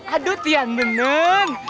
aduh tian beneng